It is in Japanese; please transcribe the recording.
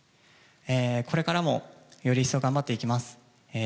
これからもより一層頑張っていきます。